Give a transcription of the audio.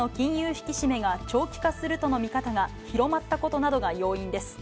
引き締めが、長期化するとの見方が広まったことなどが要因です。